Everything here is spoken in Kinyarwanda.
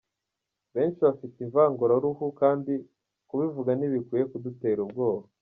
Benshi bafite ivanguraruhu kandi kubivuga ntibikwiye kudutera ubwoba.